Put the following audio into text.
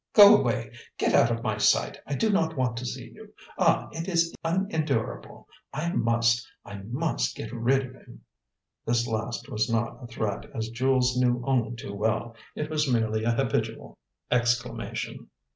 "Go away! Get out of my sight! I do not want to see you. Ah, it is unendurable! I must I must get rid of him!" This last was not a threat, as Jules knew only too well. It was merely a habitual exclamation.